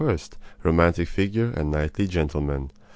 romantic figure and knightly gentleman.